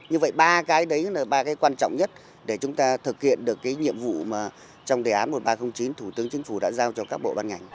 như vậy ba cái đấy là ba cái quan trọng nhất để chúng ta thực hiện được cái nhiệm vụ mà trong đề án một nghìn ba trăm linh chín thủ tướng chính phủ đã giao cho các bộ ban ngành